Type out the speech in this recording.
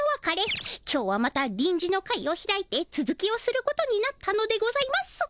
今日はまたりんじの会を開いてつづきをすることになったのでございます。